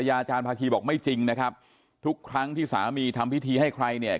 อาจารย์ภาคีบอกไม่จริงนะครับทุกครั้งที่สามีทำพิธีให้ใครเนี่ย